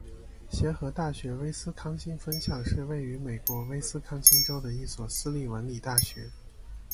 协和大学威斯康辛分校是位于美国威斯康辛州的一所私立文理大学。